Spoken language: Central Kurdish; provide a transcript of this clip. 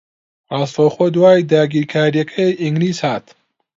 ڕاستەوخۆ دوای داگیرکارییەکەی ئینگلیز ھات